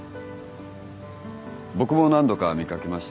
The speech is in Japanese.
僕も何度か見掛けました。